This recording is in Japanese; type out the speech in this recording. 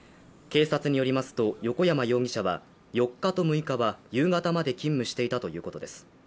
警察によりますと横山容疑者は４日と６日は夕方まで勤務していたということです。